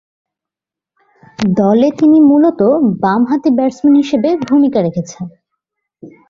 দলে তিনি মূলতঃ বামহাতি ব্যাটসম্যান হিসেবে ভূমিকা রেখেছেন।